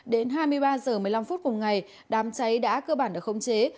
đến hai mươi ba giờ một mươi năm phút cùng ngày đàm cháy đã cơ bản được khống chế